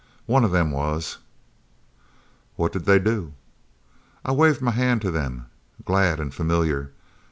One of them was " "What did they do?" "I waved my hand to them, glad an' familiar.